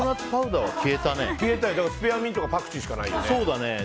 だからスペアミントかパクチーしかないね。